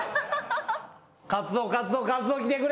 カツオカツオカツオ来てくれ。